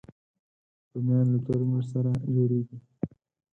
رومیان له تور مرچ سره جوړېږي